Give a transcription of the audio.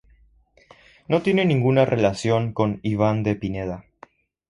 No tiene ninguna relación con Iván de Pineda.